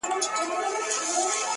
داسي به ډیرو وي پخوا لیدلی!